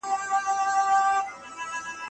د غلامۍ ژوند بد دی.